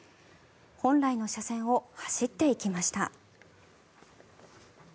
本来の車線を走っていきました。